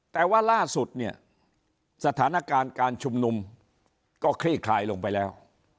แต่ว่าล่าสุดเนี่ยสถานการณ์การชุมนุมก็คลี่คลายลงไปแล้ว